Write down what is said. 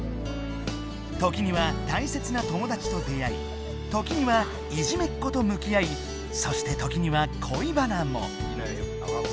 時には大切なともだちと出会い時にはいじめっことむきあいそして時にはこいバナも。